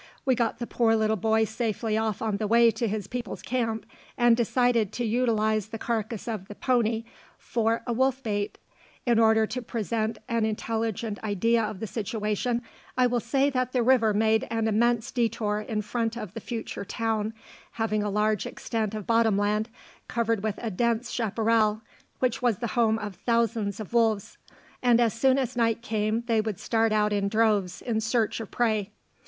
We got the poor little boy safely off on the way to his people's camp, and decided to utilize the carcass of the pony for a wolf bait. In order to present an intelligent idea of the situation, I will say that the river made an immense detour in front of the future town, having a large extent of bottom land, covered with a dense chaparral, which was the home of thousands of wolves, and as soon as night came they would start out in droves in search of prey.